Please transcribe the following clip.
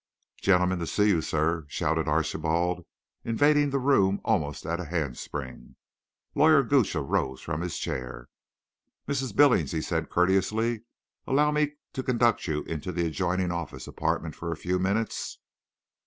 "Gentlemen to see you, sir," shouted Archibald, invading the room almost at a handspring. Lawyer Gooch arose from his chair. "Mrs. Billings," he said courteously, "allow me to conduct you into the adjoining office apartment for a few minutes.